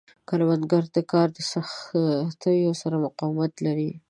کروندګر د کار د سختیو سره مقاومت لري